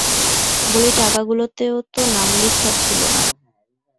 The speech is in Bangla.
বলি টাকাগুলোতেও তো নাম লেখা ছিল না।